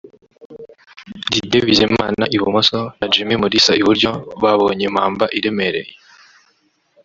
Didier Bizimana (ibumoso) na Jimmy Mulisa (iburyo) babonye impamba iremereye